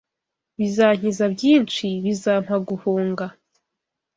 Bizankiza byinshi Bizampa guhunga